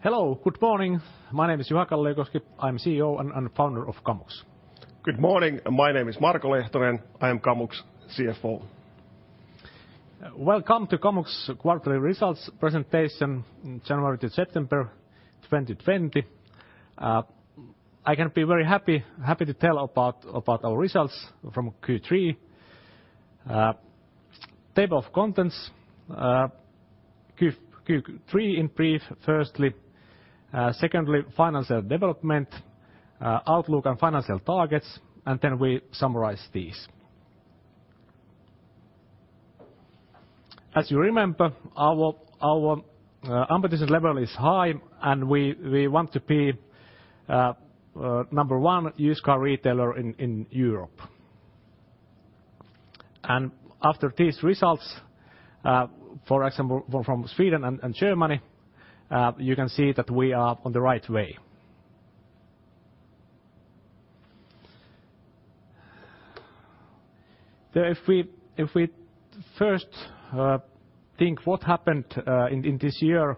Hello, good morning. My name is Juha Kalliokoski. I'm CEO and founder of Kamux. Good morning. My name is Marko Lehtonen. I am Kamux CFO. Welcome to Kamux quarterly results presentation, January to September 2020. I can be very happy to tell about our results from Q3. Table of contents, Q3 in brief, firstly. Secondly, financial development, outlook, and financial targets. And then we summarize these. As you remember, our competition level is high, and we want to be number one used car retailer in Europe. And after these results, for example, from Sweden and Germany, you can see that we are on the right way. If we first think what happened in this year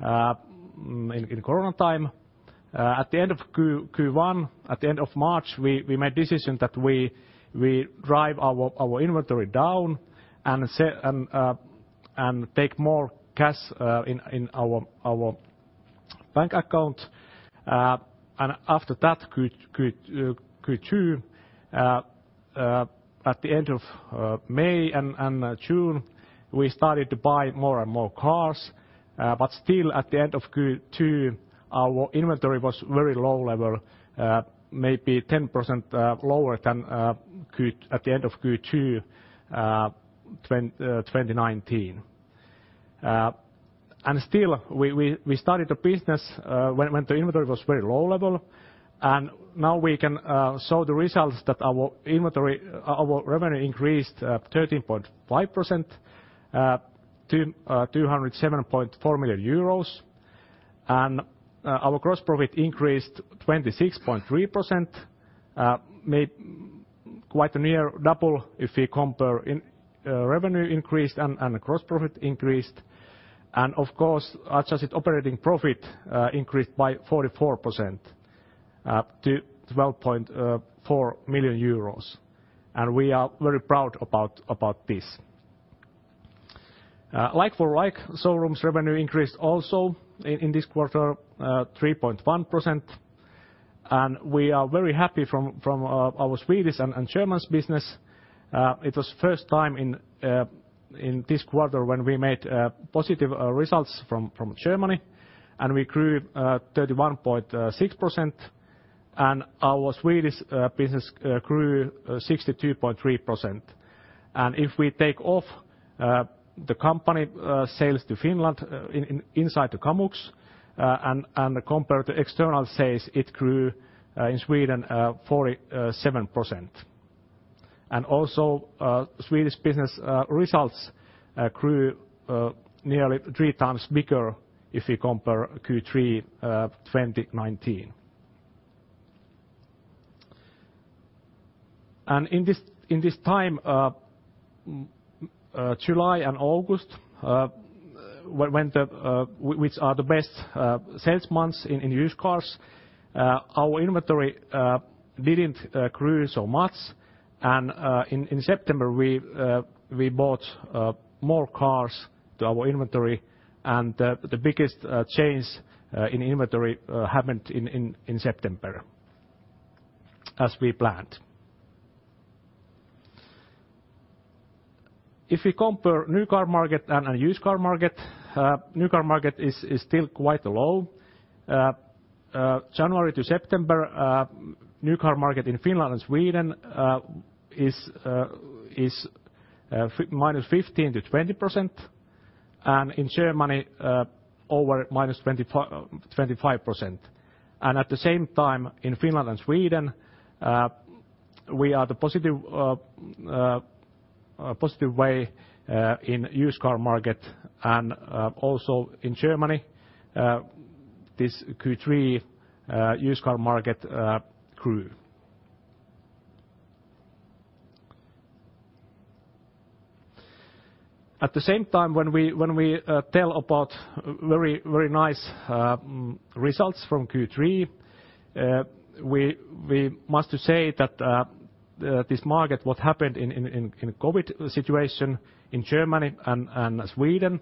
in corona time, at the end of Q1, at the end of March, we made a decision that we drive our inventory down and take more cash in our bank account. And after that, Q2, at the end of May and June, we started to buy more and more cars. But still, at the end of Q2, our inventory was very low level, maybe 10% lower than at the end of Q2 2019. And still, we started a business when the inventory was very low level. And now we can show the results that our revenue increased 13.5% to 207.4 million euros. And our gross profit increased 26.3%, quite a near double if we compare revenue increase and gross profit increase. And of course, adjusted operating profit increased by 44% to 12.4 million euros. And we are very proud about this. Like-for-like showrooms revenue increased also in this quarter, 3.1%. And we are very happy from our Swedish and German business. It was the first time in this quarter when we made positive results from Germany. And we grew 31.6%. And our Swedish business grew 62.3%. And if we take off the company sales to Finland inside the Kamux and compare to external sales, it grew in Sweden 47%. And also, Swedish business results grew nearly three times bigger if we compare Q3 2019. And in this time, July and August, which are the best sales months in used cars, our inventory didn't grow so much. And in September, we bought more cars to our inventory. And the biggest change in inventory happened in September, as we planned. If we compare new car market and used car market, new car market is still quite low. January to September, new car market in Finland and Sweden is -15%-20%. And in Germany, over -25%. And at the same time, in Finland and Sweden, we are the positive way in used car market. And also in Germany, this Q3 used car market grew. At the same time, when we tell about very nice results from Q3, we must say that this market, what happened in COVID situation in Germany and Sweden,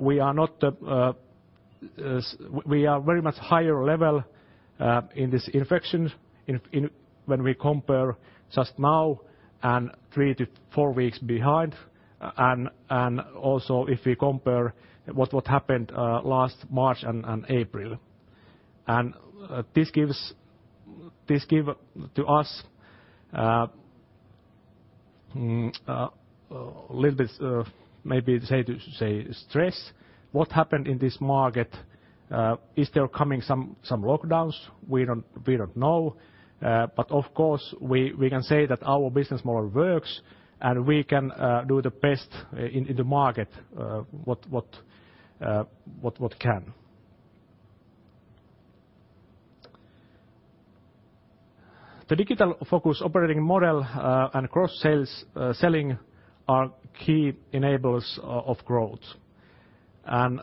we are very much higher level in this infection when we compare just now and three to four weeks behind, and also, if we compare what happened last March and April, and this gives to us a little bit maybe to say stress. What happened in this market? Is there coming some lockdowns? We don't know, but of course, we can say that our business model works and we can do the best in the market what we can. The digital focus operating model and cross-selling are key enablers of growth, and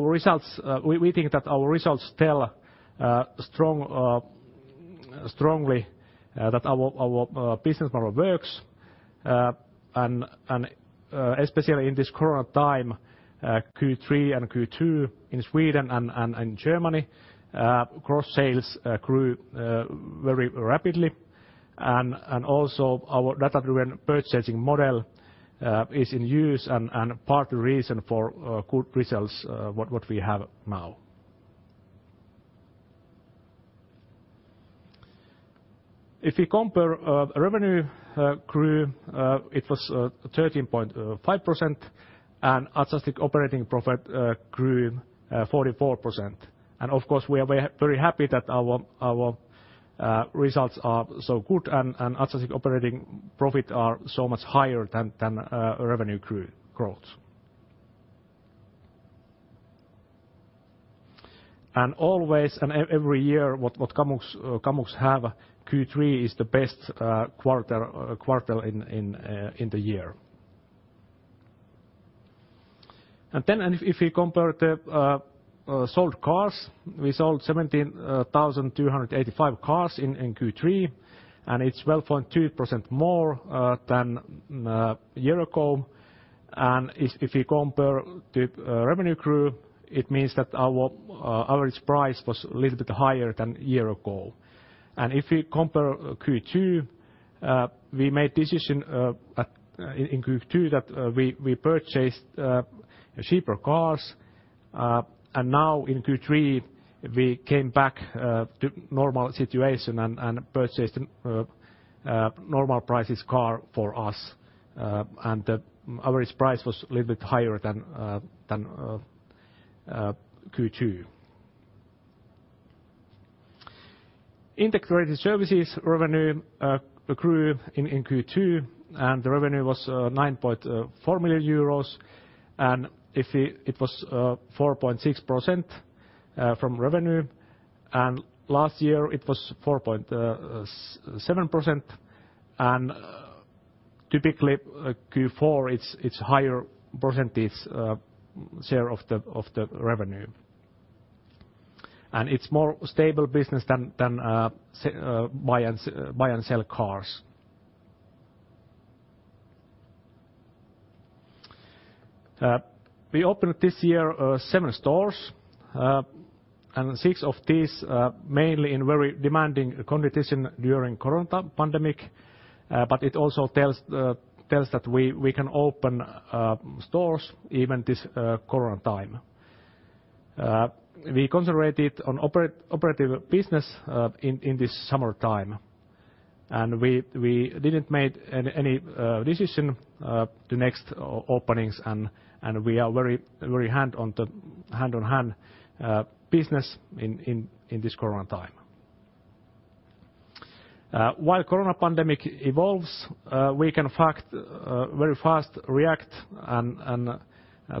we think that our results tell strongly that our business model works, and especially in this corona time, Q3 and Q2 in Sweden and Germany, cross-sales grew very rapidly. And also, our data-driven purchasing model is in use and part of the reason for good results what we have now. If we compare, revenue grew 13.5%. And adjusted operating profit grew 44%. And of course, we are very happy that our results are so good and adjusted operating profit are so much higher than revenue growth. And always and every year, what Kamux have Q3 is the best quarter in the year. And then if we compare the sold cars, we sold 17,285 cars in Q3. And it's 12.2% more than a year ago. And if we compare to revenue grew, it means that our average price was a little bit higher than a year ago. And if we compare Q2, we made a decision in Q2 that we purchased cheaper cars. Now in Q3, we came back to normal situation and purchased normal priced car for us. The average price was a little bit higher than Q2. Integrated Services revenue grew in Q2. The revenue was 9.4 million euros. It was 4.6% from revenue. Last year, it was 4.7%. Typically, Q4, it's higher percentage share of the revenue. It's more stable business than buy and sell cars. We opened this year seven stores. Six of these mainly in very demanding conditions during corona pandemic. It also tells that we can open stores even this corona time. We concentrated on operative business in this summer time. We didn't make any decision to next openings. We are very hands-on business in this corona time. While corona pandemic evolves, we can act very fast.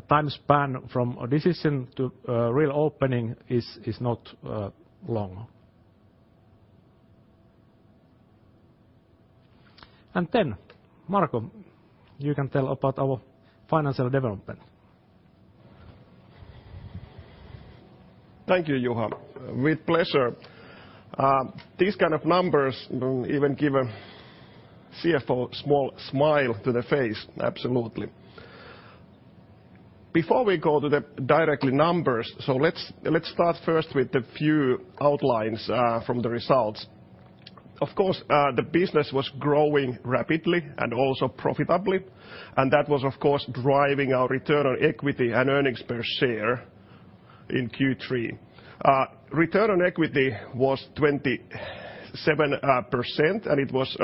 Time span from decision to real opening is not long. Marko, you can tell about our financial development. Thank you, Juha. With pleasure. These kind of numbers even give a CFO small smile to the face, absolutely. Before we go to the directly numbers, so let's start first with a few outlines from the results. Of course, the business was growing rapidly and also profitably, and that was, of course, driving our return on equity and earnings per share in Q3. Return on equity was 27%, and it was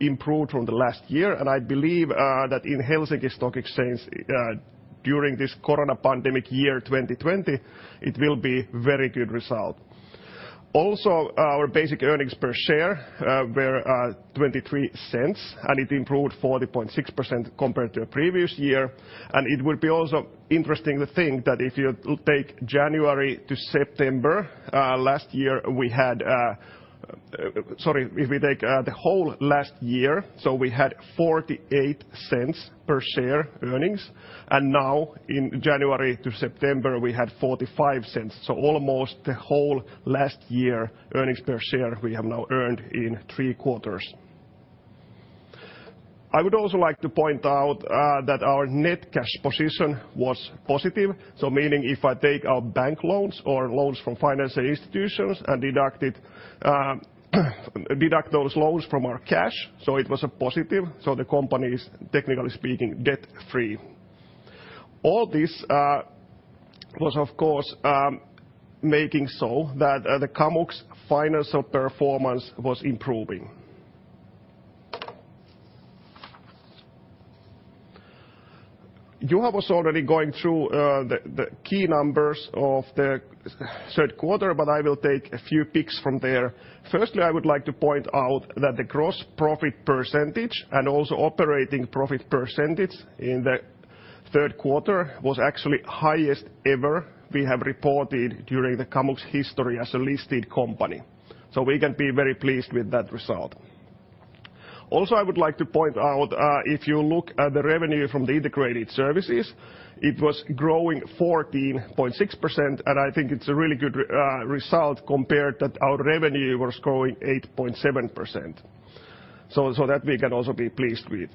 improved from the last year. And I believe that in Helsinki Stock Exchange during this corona pandemic year 2020, it will be a very good result. Also, our basic earnings per share were 0.23, and it improved 40.6% compared to a previous year, and it would be also interesting to think that if you take January to September, last year we had, sorry, if we take the whole last year, so we had 0.48 per share earnings. And now in January to September, we had 0.45. So almost the whole last year earnings per share we have now earned in three quarters. I would also like to point out that our net cash position was positive. So meaning if I take our bank loans or loans from financial institutions and deduct those loans from our cash, so it was a positive. So the company is technically speaking debt-free. All this was, of course, making so that the Kamux financial performance was improving. Juha was already going through the key numbers of the third quarter, but I will take a few picks from there. Firstly, I would like to point out that the gross profit percentage and also operating profit percentage in the third quarter was actually highest ever we have reported during the Kamux history as a listed company. So we can be very pleased with that result. Also, I would like to point out if you look at the revenue from the Integrated Services, it was growing 14.6%. And I think it's a really good result compared that our revenue was growing 8.7%. So that we can also be pleased with.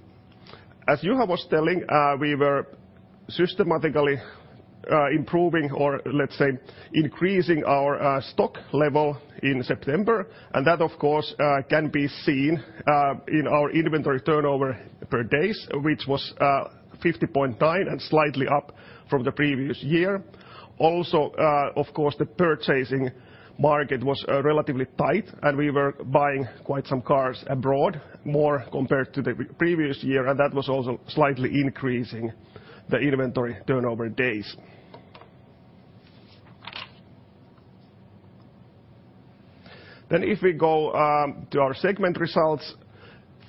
As Juha was telling, we were systematically improving or let's say increasing our stock level in September. And that, of course, can be seen in our inventory turnover per days, which was 50.9 and slightly up from the previous year. Also, of course, the purchasing market was relatively tight. And we were buying quite some cars abroad more compared to the previous year. And that was also slightly increasing the inventory turnover days. Then if we go to our segment results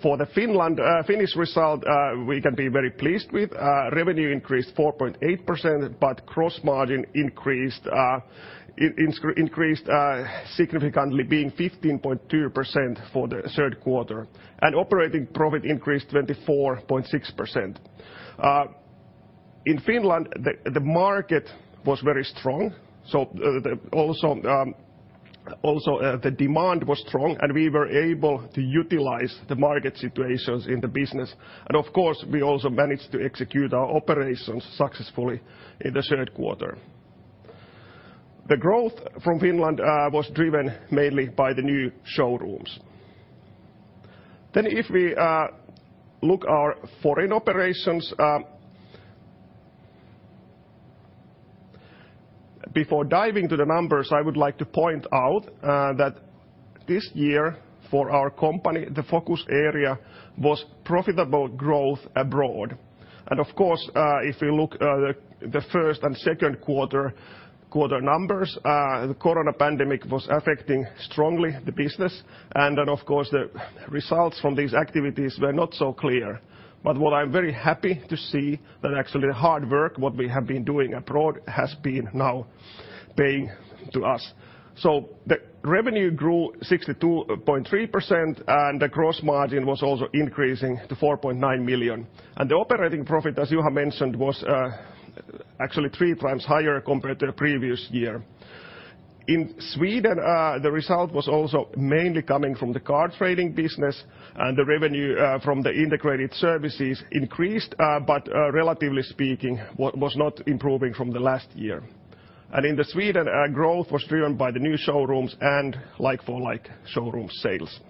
for the Finnish result, we can be very pleased with. Revenue increased 4.8%, but gross margin increased significantly, being 15.2% for the third quarter, and operating profit increased 24.6%. In Finland, the market was very strong, so also the demand was strong, and we were able to utilize the market situations in the business. Of course, we also managed to execute our operations successfully in the third quarter. The growth from Finland was driven mainly by the new showrooms. Then, if we look at our foreign operations, before diving to the numbers, I would like to point out that this year for our company, the focus area was profitable growth abroad. Of course, if we look at the first and second quarter numbers, the corona pandemic was affecting strongly the business. Of course, the results from these activities were not so clear. But what I'm very happy to see that actually the hard work what we have been doing abroad has been now paying to us. So the revenue grew 62.3%. And the gross margin was also increasing to 4.9 million. And the operating profit, as Juha mentioned, was actually three times higher compared to the previous year. In Sweden, the result was also mainly coming from the car trading business. And the revenue from the Integrated Services increased, but relatively speaking, was not improving from the last year. And in Sweden, growth was driven by the new showrooms and like-for-like showroom sales.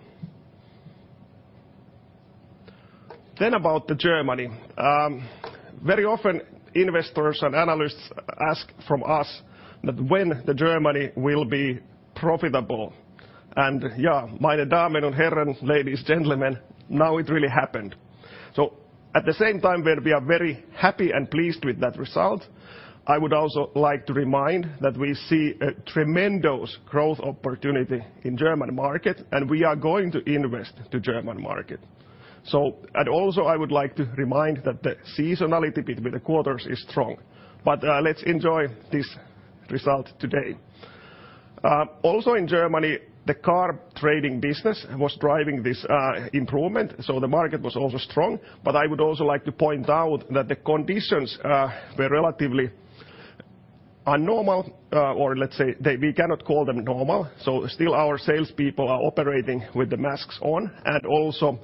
Then, about Germany. Very often, investors and analysts ask from us that when Germany will be profitable. And yeah, meine Damen, Herren, Ladies and Gentlemen, now it really happened. So at the same time that we are very happy and pleased with that result, I would also like to remind that we see a tremendous growth opportunity in the German market. And we are going to invest in the German market. So and also I would like to remind that the seasonality between the quarters is strong. But let's enjoy this result today. Also in Germany, the car trading business was driving this improvement. So the market was also strong. But I would also like to point out that the conditions were relatively abnormal. Or let's say we cannot call them normal. So still our salespeople are operating with the masks on. And also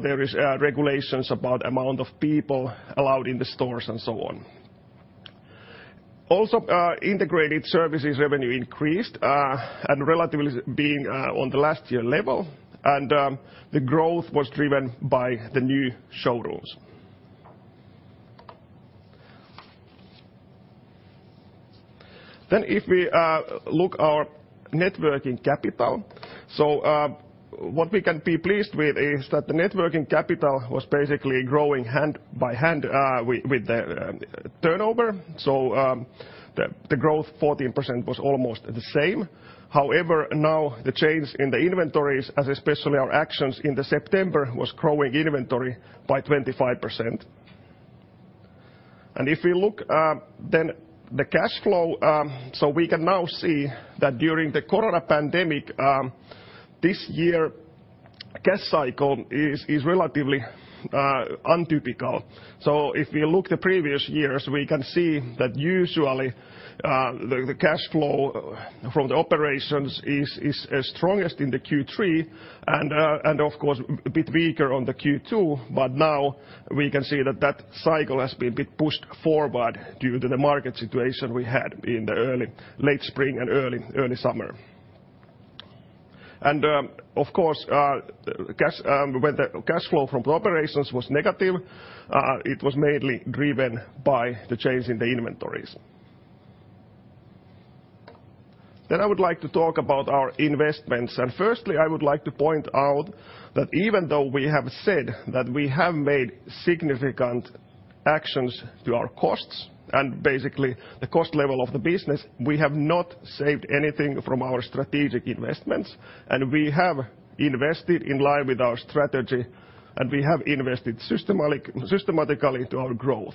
there are regulations about the amount of people allowed in the stores and so on. Also Integrated Services revenue increased and relatively being on the last year level. The growth was driven by the new showrooms. If we look at our net working capital, what we can be pleased with is that the net working capital was basically growing hand in hand with the turnover. The growth 14% was almost the same. However, now the change in the inventories, as especially our actions in September, was growing inventory by 25%. If we look then the cash flow, we can now see that during the corona pandemic, this year's cash cycle is relatively untypical. If we look at the previous years, we can see that usually the cash flow from the operations is strongest in the Q3. Of course, a bit weaker on the Q2. Now we can see that the cycle has been a bit pushed forward due to the market situation we had in the early late spring and early summer. Of course, when the cash flow from the operations was negative, it was mainly driven by the change in the inventories. I would like to talk about our investments. Firstly, I would like to point out that even though we have said that we have made significant actions to our costs and basically the cost level of the business, we have not saved anything from our strategic investments. We have invested in line with our strategy. We have invested systematically into our growth.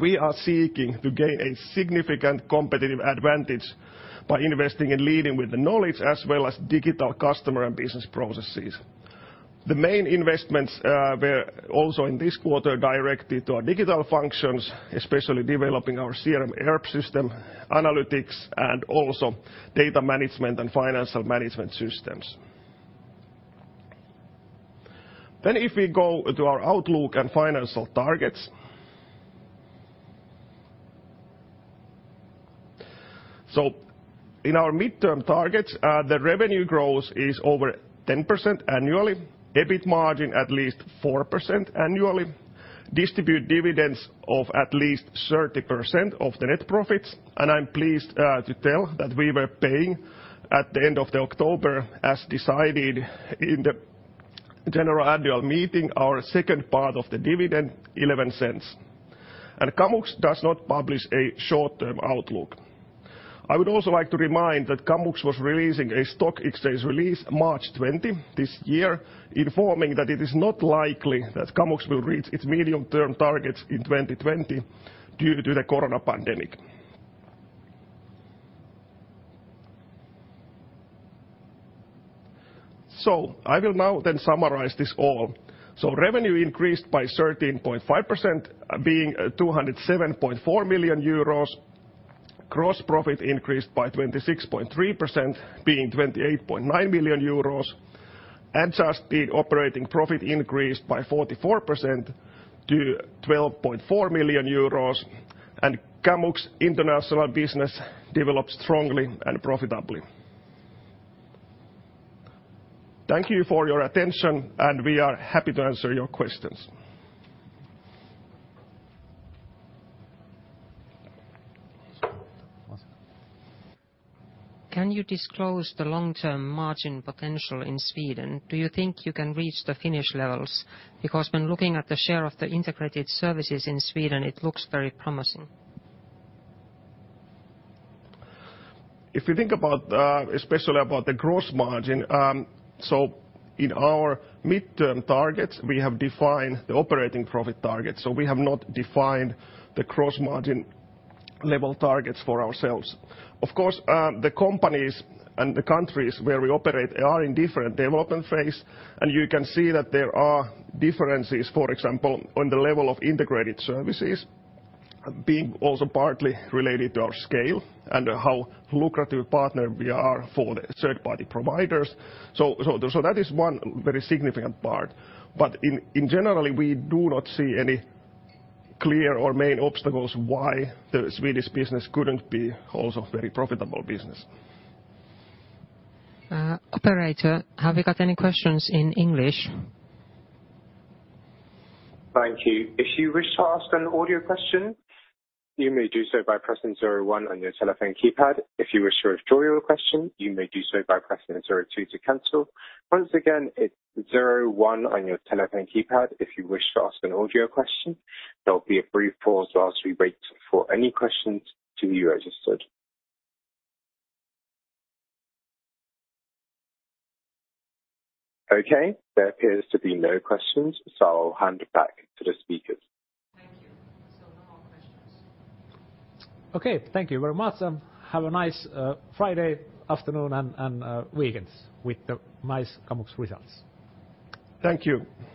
We are seeking to gain a significant competitive advantage by investing in leading with the knowledge as well as digital customer and business processes. The main investments were also in this quarter directed to our digital functions, especially developing our CRM ERP system, analytics, and also data management and financial management systems, then if we go to our outlook and financial targets, so in our midterm targets, the revenue growth is over 10% annually, EBIT margin at least 4% annually, distribute dividends of at least 30% of the net profits, and I'm pleased to tell that we were paying at the end of October, as decided in the general annual meeting, our second part of the dividend, 0.11. And Kamux does not publish a short-term outlook. I would also like to remind that Kamux was releasing a stock exchange release March 20 this year, informing that it is not likely that Kamux will reach its medium-term targets in 2020 due to the corona pandemic. So I will now then summarize this all. Revenue increased by 13.5%, being 207.4 million euros. Gross profit increased by 26.3%, being 28.9 million euros. Adjusted operating profit increased by 44% to 12.4 million euros. And Kamux international business developed strongly and profitably. Thank you for your attention. And we are happy to answer your questions. Can you disclose the long-term margin potential in Sweden? Do you think you can reach the Finnish levels? Because when looking at the share of the integrated Services in Sweden, it looks very promising. If we think, especially, about the gross margin, so in our midterm targets, we have defined the operating profit targets. So we have not defined the gross margin level targets for ourselves. Of course, the companies and the countries where we operate are in different development phases. And you can see that there are differences, for example, on the level of Integrated Services, being also partly related to our scale and how lucrative partner we are for the third-party providers. So that is one very significant part. But in general, we do not see any clear or main obstacles why the Swedish business couldn't be also a very profitable business. Operator, have you got any questions in English? Thank you. If you wish to ask an audio question, you may do so by pressing 01 on your telephone keypad. If you wish to withdraw your question, you may do so by pressing 02 to cancel. Once again, it's 01 on your telephone keypad. If you wish to ask an audio question, there will be a brief pause whilst we wait for any questions to be registered. Okay, there appears to be no questions. So I'll hand it back to the speakers. Thank you. So no more questions. Okay, thank you very much. Have a nice Friday afternoon and weekends with the nice Kamux results. Thank you.